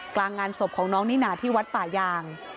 งานศพของน้องนิน่าที่วัดป่ายาง